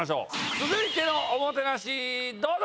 続いてのおもてなしどうぞ！